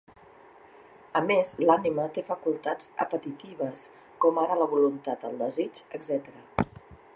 A més, l'ànima té facultats apetitives, com ara la voluntat, el desig, etcètera.